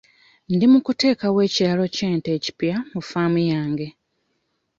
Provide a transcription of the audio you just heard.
Ndi mu kuteekawo ekiraalo ky'ente ekipya ku ffaamu yange.